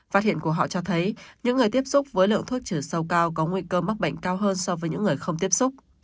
phát hiện của họ cho thấy những người tiếp xúc với lượng thuốc trừ sâu cao có nguy cơ mắc bệnh cao hơn so với những người không tiếp xúc